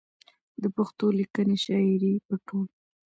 د پښتو ليکنۍ شاعرۍ په ټول